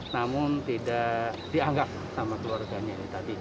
namun tidak dianggap sama keluarganya